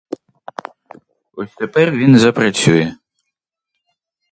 Ось тепер він запрацює!